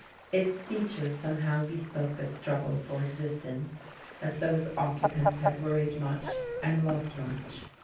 Its features somehow bespoke a struggle for existence; as though its occupants had worried much and loved much.